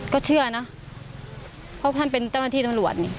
ก็เชื่อนะเพราะท่านเป็นเจ้าหน้าที่ตำรวจนี่